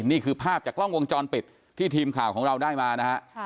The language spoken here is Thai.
นี่คือภาพจากกล้องวงจรปิดที่ทีมข่าวของเราได้มานะฮะ